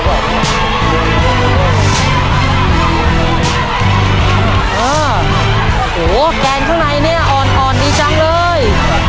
โอ้โหแกงข้างในเนี่ยอ่อนดีจังเลย